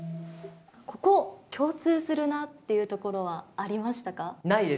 ここ、共通するなっていうところありましたか？